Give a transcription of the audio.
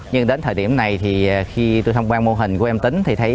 nhưng đến thời điểm này thì khi tôi thông qua mô hình của em tính thì thấy